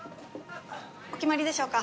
お決まりでしょうか？